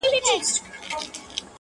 هغه مړ سو اوس يې ښخ كړلو.